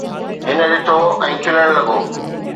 هن ڏٺو ۽ کلڻ لڳو.